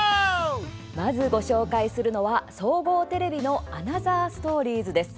まず、ご紹介するのは総合テレビの「アナザーストーリーズ」です。